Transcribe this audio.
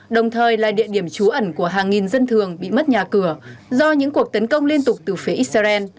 đồng thời là địa điểm trú ẩn của hàng nghìn dân thường bị mất nhà cửa do những cuộc tấn công liên tục từ phía israel